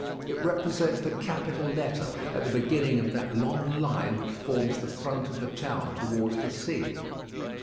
It represents the capital letter at the beginning of that long line which forms the front of the town towards the sea.